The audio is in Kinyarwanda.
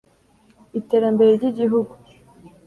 iterambere ry'igihugu.